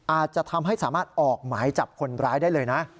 อาจจะทำให้สามารถออกหมายจับคนร้ายได้เลยนะ